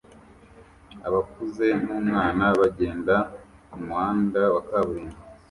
Abakuze n'umwana bagenda mumuhanda wa kaburimbo